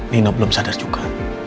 nino belum sadar juga